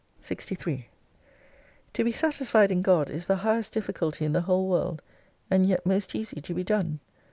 63 To be satisfied in God is the highest difficulty in the whole world, and yet most easy to be done.